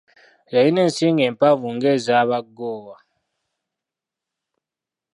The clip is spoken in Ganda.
Yalina ensingo empanvu ng’ez’Abagoowa.